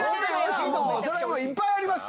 それはもう、いっぱいあります。